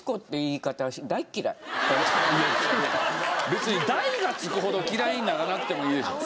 別に「大」が付くほど嫌いにならなくてもいいでしょ。